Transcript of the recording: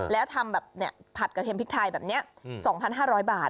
แล้วทำแบบผัดกระเทียมพริกไทยแบบนี้๒๕๐๐บาท